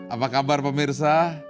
apa kabar pemirsa